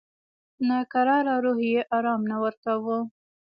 ناکراره روح یې آرام نه ورکاوه.